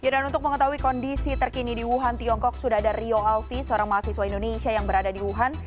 dan untuk mengetahui kondisi terkini di wuhan tiongkok sudah ada rio alvi seorang mahasiswa indonesia yang berada di wuhan